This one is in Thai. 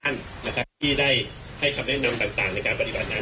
ท่านนะครับที่ได้ให้คำแนะนำต่างในการปฏิบัติงาน